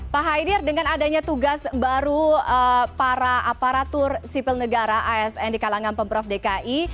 pak haidir dengan adanya tugas baru para aparatur sipil negara asn di kalangan pemprov dki